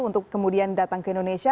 untuk kemudian datang ke indonesia